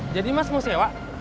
jadi mas mau sewa